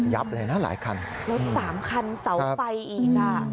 ยับเลยนะหลายคันแล้ว๓คันเสาไฟอีก